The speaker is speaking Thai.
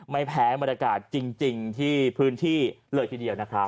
ไม่แพ้บรรยากาศจริงที่พื้นที่เลยทีเดียวนะครับ